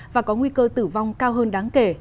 và có nguy cơ tử vong cao hơn đáng kể